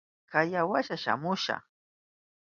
Kaya washa shamusha.